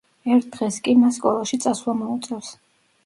ერთ დღეს კი მას სკოლაში წასვლა მოუწევს.